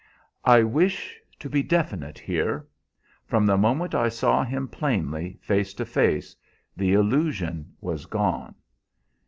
"I wish to be definite here. From the moment I saw him plainly face to face the illusion was gone.